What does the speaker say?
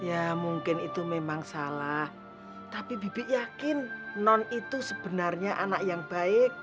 ya mungkin itu memang salah tapi bibi yakin non itu sebenarnya anak yang baik